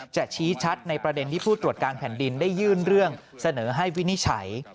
ชี้ชัดในประเด็นที่ผู้ตรวจการแผ่นดินได้ยื่นเรื่องเสนอให้วินิจฉัย